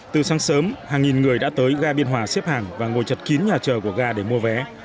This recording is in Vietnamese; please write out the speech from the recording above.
từ sáng sớm hàng nghìn người đã tới ga biên hòa xếp hàng và ngồi chật kín nhà chờ của ga để mua vé